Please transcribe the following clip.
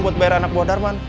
buat bayar anak buah darman